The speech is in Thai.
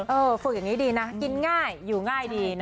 ฝึกอย่างนี้ดีนะกินง่ายอยู่ง่ายดีนะ